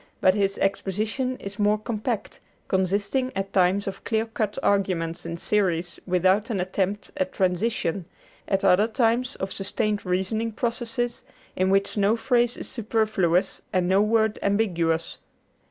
But his exposition is more compact, consisting at times of clear cut arguments in series without an attempt at transition, at other times of sustained reasoning processes in which no phrase is superfluous and no word ambiguous.